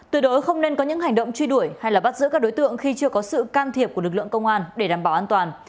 tuyệt đối không nên có những hành động truy đuổi hay bắt giữ các đối tượng khi chưa có sự can thiệp của lực lượng công an để đảm bảo an toàn